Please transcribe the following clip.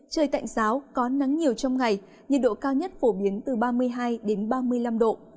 trời tạnh giáo có nắng nhiều trong ngày nhiệt độ cao nhất phổ biến từ ba mươi hai ba mươi năm độ